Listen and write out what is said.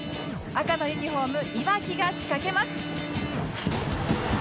赤のユニフォームいわきが仕掛けます